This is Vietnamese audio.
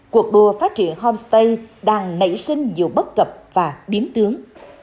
cuộc đua phát triển homestay đang nảy sinh nhiều bất cập và biến tướng